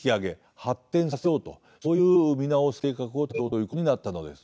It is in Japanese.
発展させようとそういう見直す計画を立てようということになったのです。